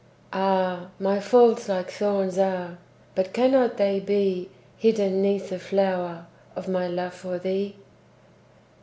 Ah! my faults like thorns are, But cannot they be Hidden 'neath the flower Of my love for thee?